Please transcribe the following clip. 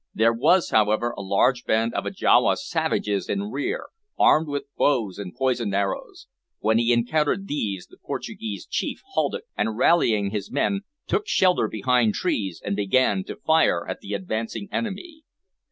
There was however a large band of Ajawa savages in rear, armed with bows and poisoned arrows. When he encountered these the Portuguese chief halted, and, rallying his men, took shelter behind trees and began to fire at the advancing enemy.